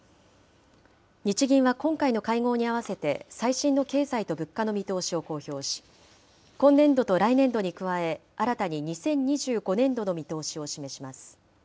日銀は今回の会合にあわせて、最新の経済と物価の見通しを公表し、今年度と来年度に加え、新たに２０２５年度の見通しを示します。